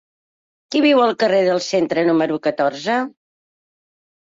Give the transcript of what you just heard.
Qui viu al carrer del Centre número catorze?